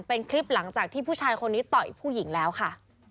เป็นคลิปหลังจากที่ผู้ชายคนนี้ต่อยผู้หญิงแล้วค่ะ